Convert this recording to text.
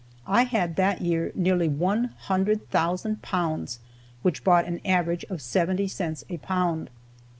I had that year nearly one hundred thousand pounds, which brought an average of seventy cents a pound.